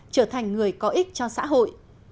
trở thành người có ích cho xã hội